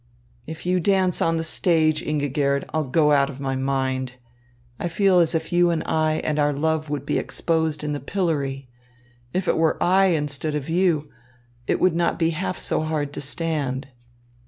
"If you dance on the stage, Ingigerd, I'll go out of my mind. I feel as if you and I and our love would be exposed in the pillory. If it were I instead of you, it would not be half so hard to stand."